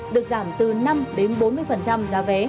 được giảm từ năm đến bốn mươi giá vé